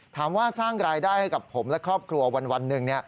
สร้างรายได้ให้กับผมและครอบครัววันหนึ่ง